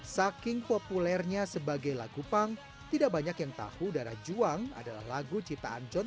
saking populernya sebagai lagu pang tidak banyak yang tahu darah juang adalah lagu ciptaan john